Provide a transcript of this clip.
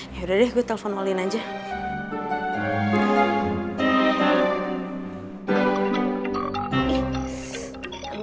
yaudah deh gue telpon wallyin aja